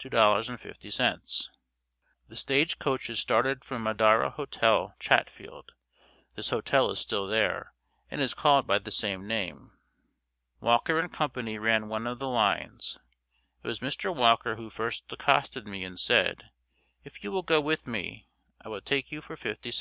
50. The stagecoaches started from Madarra Hotel, Chatfield. This hotel is still there, and is called by the same name. Walker & Co. ran one of the lines. It was Mr. Walker who first accosted me and said, "If you will go with me, I will take you for 50c."